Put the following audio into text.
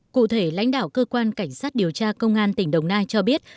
cụ thể lãnh đạo cơ quan cảnh sát điều tra công an tỉnh đồng nai cho biết